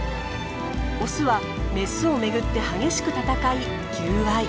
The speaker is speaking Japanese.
オスはメスを巡って激しく戦い求愛。